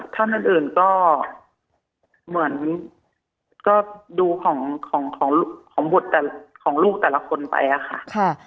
ท่านอื่นก็เหมือนก็ดูของบทของลูกแต่ละคนไปอะค่ะ